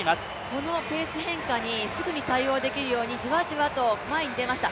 このペース変化にすぐに対応できるようにじわじわと前に出ました。